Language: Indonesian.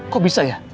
kok bisa ya